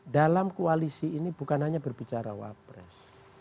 dalam koalisi ini bukan hanya berbicara wapres